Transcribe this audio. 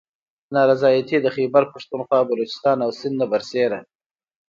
نا رضایتي د خیبر پښتونخواه، بلوچستان او سند نه بر سیره